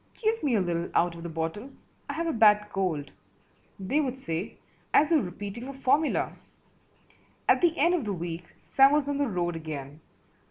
"Give me a little out of the bottle, I have a bad cold," they would say, as though repeating a formula. At the end of the week Sam was on the road again.